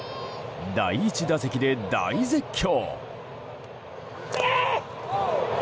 第１打席で大絶叫！